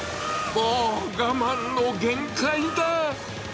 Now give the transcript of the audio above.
もう我慢の限界だ。